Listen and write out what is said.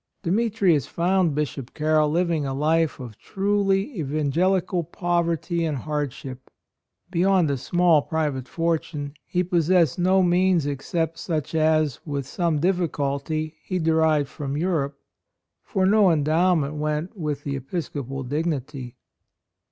Demetrius found Bishop Carroll living a life of truly evangelical poverty and hardship. Beyond a small pri vate fortune, he possessed no means except such as, with some difficulty he derived from Europe; for no endowment went with the episcopal dignity.